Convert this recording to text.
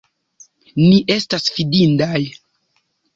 Ni estas fidindaj!